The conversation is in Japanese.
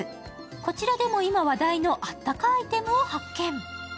こちらでも今、話題のあったかアイテムを発見。